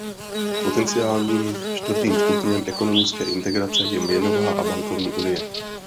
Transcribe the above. Potenciálním čtvrtým stupněm ekonomické integrace je měnová a bankovní unie.